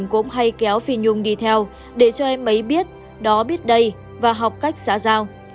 thời đó từ tampa qua cali phi nhung đi theo để cho em ấy biết đó biết đây và học cách xã giao